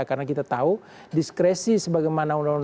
karena kita tahu diskresi sebagaimana undang undang undang